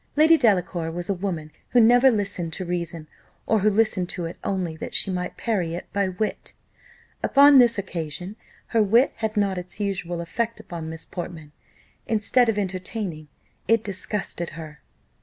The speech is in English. Lady Delacour was a woman who never listened to reason, or who listened to it only that she might parry it by wit. Upon this occasion, her wit had not its usual effect upon Miss Portman; instead of entertaining, it disgusted her.